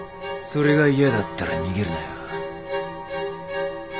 それが嫌だったら逃げるなよ。